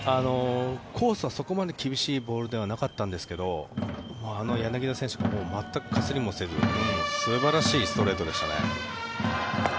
コースはそこまで厳しいボールではなかったですんですが全くかすりもせず素晴らしいストレートでしたね。